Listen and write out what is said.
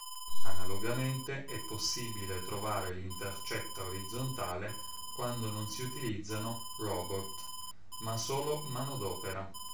Analogamente è possibile trovare l'intercetta orizzontale quando non si utilizzano robot, ma solo manodopera.